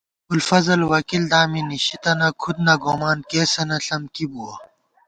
ابُوالفضل وکیل دامی نِشی تنہ کھُد نہ گومان کېسَنہ ݪم کی بُوَہ